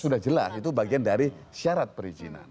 sudah jelas itu bagian dari syarat perizinan